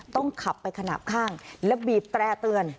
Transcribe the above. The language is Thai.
ต้องขับไปขนาดข้างและบีบแตร่เตือน